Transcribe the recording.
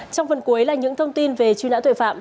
trong phần cuối là những thông tin về chuyên đã tuệ phạm